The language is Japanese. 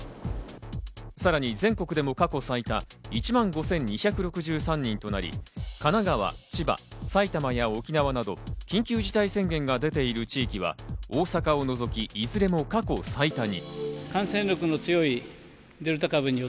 さらに全国でも過去最多１万５２６３人となり、神奈川、千葉、埼玉や沖縄など、緊急事態宣言が出ている地域は大阪を除き、いずれも過去最多に。